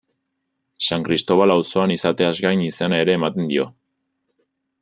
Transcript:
San Kristobal auzoan izateaz gain izena ere ematen dio.